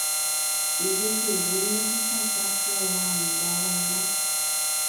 Ijeheguínte hesakã porãmbava'erã.